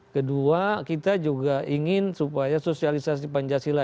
kedua kita juga ingin supaya sosialisasi pancasila